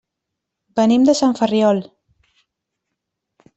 Venim de Sant Ferriol.